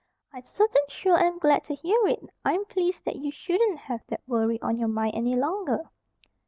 "I certain sure am glad to hear it! I'm pleased that you shouldn't have that worry on your mind any longer."